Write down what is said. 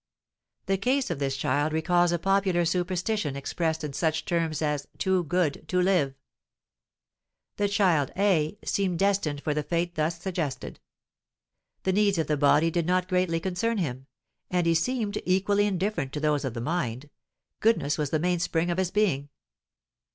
The case of this child recalls a popular superstition expressed in such terms as "too good to live." The child A seemed destined for the fate thus suggested. The needs of the body did not greatly concern him, and he seemed equally indifferent to those of the mind; goodness was the mainspring of his being.